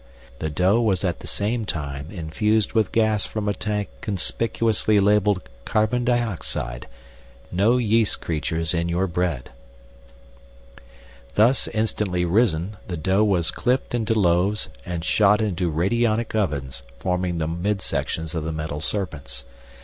The dough was at the same time infused with gas from a tank conspicuously labeled "Carbon Dioxide" ("No Yeast Creatures in Your Bread!"). Thus instantly risen, the dough was clipped into loaves and shot into radionic ovens forming the midsections of the metal serpents.